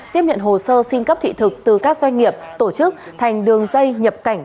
tiếp nhận hồ sơ xin cấp thị thực từ các doanh nghiệp tổ chức thành đường dây nhập cảnh